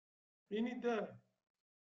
Ini-d "aah".